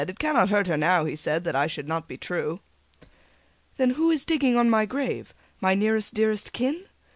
'It cannot hurt her now,' he said, 'That I should not be true.'" "Then who is digging on my grave, My nearest dearest kin?"